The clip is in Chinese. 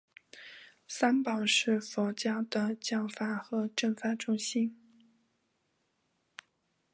三宝是佛教的教法和证法的核心。